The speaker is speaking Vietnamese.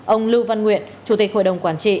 ông lưu văn nguyện chủ tịch hội đồng quản trị